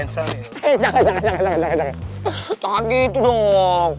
tapi udah tugas bisa bro